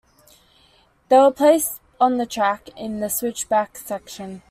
They were placed on the track in the switchback section.